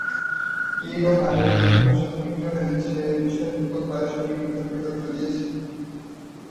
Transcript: পীর ও নারায়ণ কিভাবে সম্পৃক্ত হলেন সে বিষয়ে লেখক পারস্পরিক বিকল্প তত্ত্ব দিয়েছেন।